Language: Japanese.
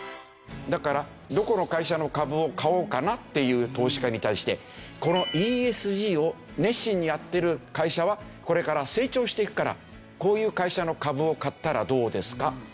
だからどこの会社の株を買おうかなっていう投資家に対してこのＥＳＧを熱心にやってる会社はこれから成長していくからこういう会社の株を買ったらどうですか？